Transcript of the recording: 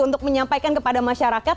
untuk menyampaikan kepada masyarakat